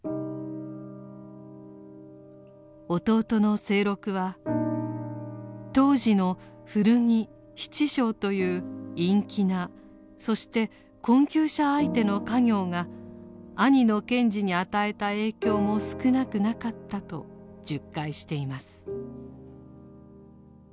弟の清六は「当時の古着・質商という陰気なそして困窮者相手の家業が兄の賢治に与えた影響も少なくなかった」と述懐しています。